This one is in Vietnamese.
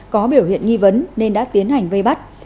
có biểu hiện nghi vấn nên đã tiến hành vây bắt